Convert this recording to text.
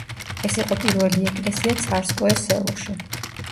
ეს იყო პირველი ეკლესია ცარსკოე-სელოში.